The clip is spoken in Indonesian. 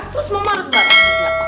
terus mama harus marahin siapa